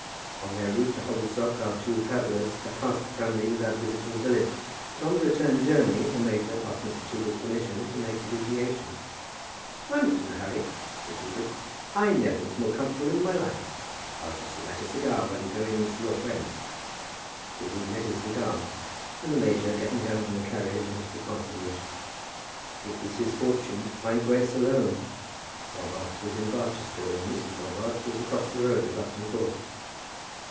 On their route to Hogglestock our two travellers had passed Framley without visiting the village, but on the return journey the major asked Mr. Toogood's permission to make the deviation. "I'm not in a hurry," said Toogood. "I never was more comfortable in my life. I'll just light a cigar while you go in and see your friends." Toogood lit his cigar, and the major, getting down from the carriage, entered the parsonage. It was his fortune to find Grace alone. Robarts was in Barchester, and Mrs. Robarts was across the road, at Lufton Court.